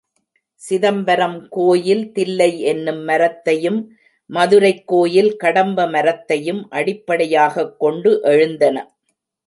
சிதம்பரம் கோயில் தில்லை என்னும் மரத்தையும் மதுரைக் கோயில் கடம்ப மரத்தையும் அடிப்படை யாகக் கொண்டு எழுந்தன.